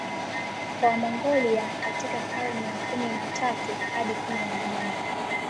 kwa Wamongolia katika karne ya kumi na tatu Hadi kumi na nne